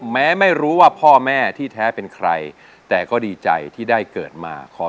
สวัสดีครับ